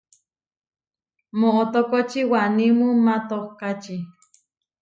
Moʼotókoči wanímu matohkáči.